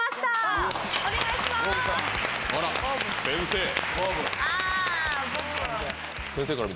先生！